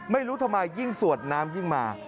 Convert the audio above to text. ไม่รู้ทำไมยิ่งสวดน้ำยิ่งมา